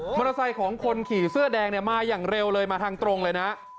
มอเตอร์ไซค์ของคนขี่เสื้อแดงเนี่ยมาอย่างเร็วเลยมาทางตรงเลยนะ